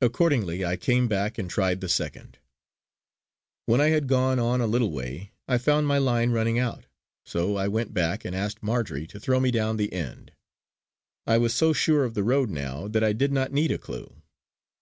Accordingly I came back and tried the second. When I had gone on a little way, I found my line running out; so I went back and asked Marjory to throw me down the end. I was so sure of the road now that I did not need a clue.